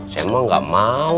saya mah gak mau